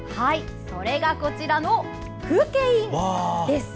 それがこちらの風景印です！